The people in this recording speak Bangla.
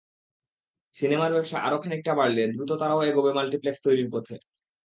সিনেমার ব্যবসা আরও খানিকটা বাড়লে দ্রুত তারাও এগোবে মাল্টিপ্লেক্স তৈরির পথে।